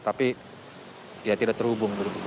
tapi ya tidak terhubung